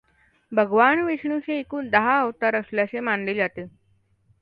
भगवान विष्णूचे एकूण दहा अवतार असल्याचे मानले जाते.